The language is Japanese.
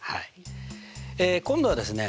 え今度はですね